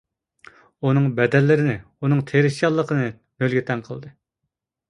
ئۇنىڭ بەدەللىرىنى، ئۇنىڭ تىرىشچانلىقىنى نۆلگە تەڭ قىلدى.